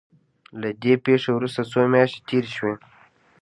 له دې پېښې وروسته څو مياشتې تېرې شوې.